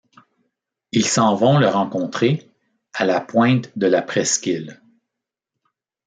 Ils s'en vont le rencontrer, à la pointe de la presqu'île.